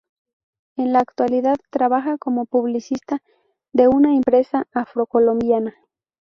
En la actualidad, trabaja como publicista de una empresa afrocolombiana.